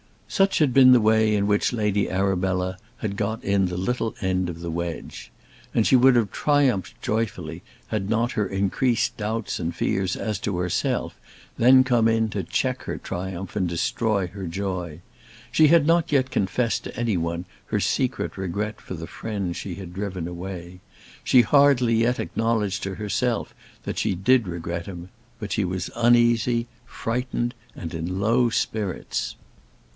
Such had been the way in which Lady Arabella had got in the little end of the wedge. And she would have triumphed joyfully had not her increased doubts and fears as to herself then come in to check her triumph and destroy her joy. She had not yet confessed to any one her secret regret for the friend she had driven away. She hardly yet acknowledged to herself that she did regret him; but she was uneasy, frightened, and in low spirits.